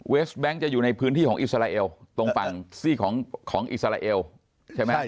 แบงค์จะอยู่ในพื้นที่ของอิสราเอลตรงฝั่งซี่ของอิสราเอลใช่ไหม